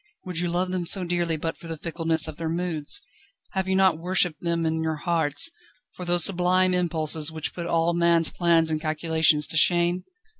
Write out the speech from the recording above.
Would you love them so dearly but for the fickleness of their moods? Have you not worshipped them in your hearts, for those sublime impulses which put all man's plans and calculations to shame?